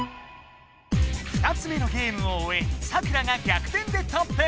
２つ目のゲームをおえサクラが逆転でトップ！